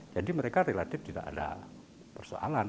jadi mereka relatif tidak ada persoalan